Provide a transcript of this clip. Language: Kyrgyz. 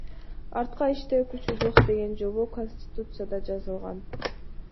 Артка иштөө күчү жок деген жобо Конституцияда жазылган.